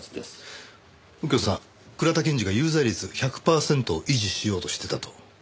右京さん倉田検事が有罪率１００パーセントを維持しようとしてたと？